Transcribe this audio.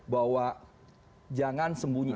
bahwa jangan sembunyi